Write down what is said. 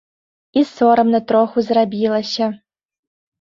І сорамна троху зрабілася.